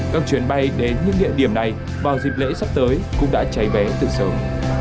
các chuyến bay đến những địa điểm này vào dịp lễ sắp tới cũng đã cháy vé từ sớm